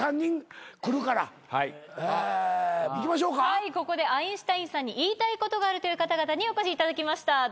はいここでアインシュタインさんに言いたいことがあるという方々にお越しいただきましたどうぞ。